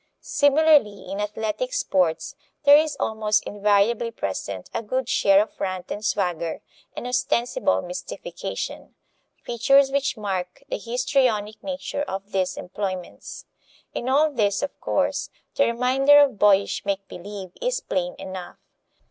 Similarly in athletic sports there is almost invariably present a good share of rant and swagger and ostensible mystification features which mark the histrionic nature of these employments. In all this, of course, the reminder of boyish make believe is plain enough.